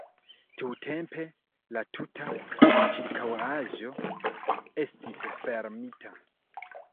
Tiutempe la tuta ĉirkaŭaĵo estis fermita.